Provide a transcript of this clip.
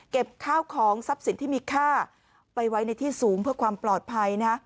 ข้าวของทรัพย์สินที่มีค่าไปไว้ในที่สูงเพื่อความปลอดภัยนะ